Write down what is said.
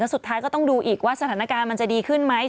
สุดท้ายก็ต้องดูอีกว่าสถานการณ์มันจะดีขึ้นไหม